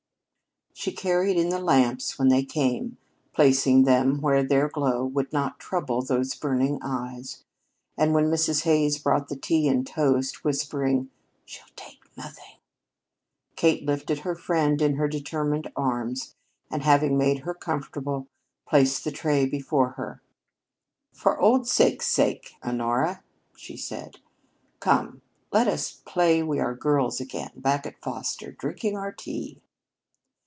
She carried in the lamps when they came, placing them where their glow would not trouble those burning eyes; and when Mrs. Hays brought the tea and toast, whispering, "She'll take nothing," Kate lifted her friend in her determined arms, and, having made her comfortable, placed the tray before her. "For old sake's sake, Honora," she said. "Come, let us play we are girls again, back at Foster, drinking our tea!"